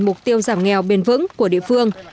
mục tiêu giảm nghèo bền vững của địa phương